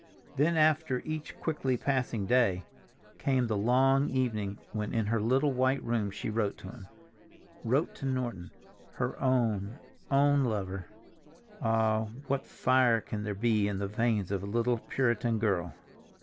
Then, after each quickly passing day, came the long evening when in her little white room she wrote to him—wrote to Norton, her own, own lover. Ah, what fire there can be in the veins of a little Puritan girl!